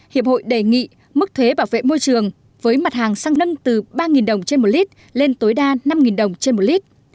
hiệp hội đề nghị mức thuế bảo vệ môi trường với mặt hàng xăng nâng từ ba đồng trên một lít lên tối đa năm đồng trên một lít